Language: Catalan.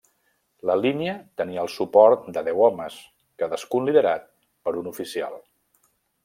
La línia tenia el suport de deu homes, cadascun liderat per un oficial.